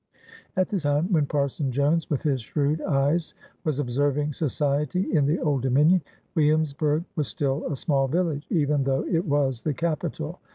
At the time when Parson Jones with his shrewd eyes was observing society in the Old Dominion» Williamsburg was still a small village, even though it was the capital.